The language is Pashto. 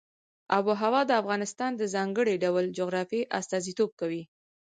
آب وهوا د افغانستان د ځانګړي ډول جغرافیه استازیتوب کوي.